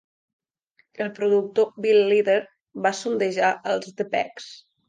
El productor Bill Leader va sondejar als The Peggs.